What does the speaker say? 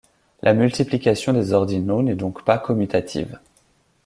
La multiplication des ordinaux n'est donc pas commutative.